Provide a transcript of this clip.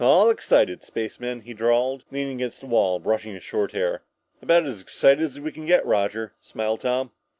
"All excited, spacemen?" he drawled, leaning against the wall, brushing his short hair. "About as excited as we can get, Roger," smiled Tom.